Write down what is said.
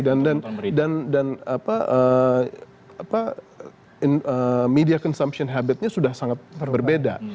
dan media consumption habitnya sudah sangat berbeda